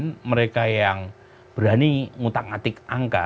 ada beberapa pihak yang berani ngutak ngatik angka